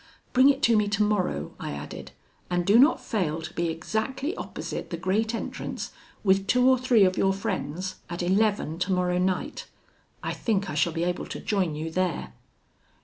'Bring it to me tomorrow,' I added, 'and do not fail to be exactly opposite the great entrance with two or three of your friends at eleven tomorrow night; I think I shall be able to join you there.'